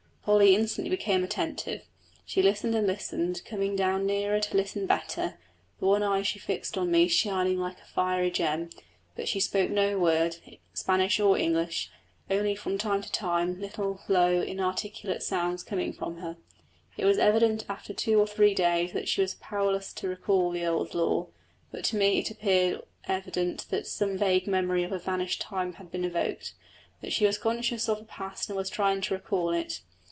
Polly instantly became attentive. She listened and listened, coming down nearer to listen better, the one eye she fixed on me shining like a fiery gem. But she spoke no word, Spanish or English, only from time to time little low inarticulate sounds came from her. It was evident after two or three days that she was powerless to recall the old lore, but to me it also appeared evident that some vague memory of a vanished time had been evoked that she was conscious of a past and was trying to recall it.